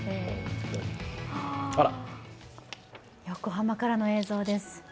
横浜からの映像です。